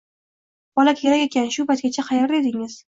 Bola kerak ekan, shu paytgacha qaerda edingiz